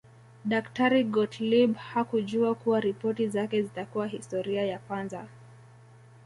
Daktari Gottlieb hakujua kuwa ripoti zake zitakuwa historia ya kwanza